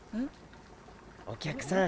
お客さん